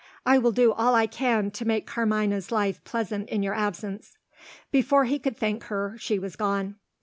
"I will do all I can to make Carmina's life pleasant in your absence." Before he could thank her, she was gone.